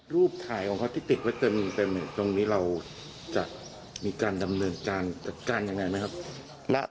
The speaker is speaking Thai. รูปถ่ายของเขาที่ติดไว้เต็มตรงนี้เราจะมีการดำเนินการจัดการยังไงไหมครับ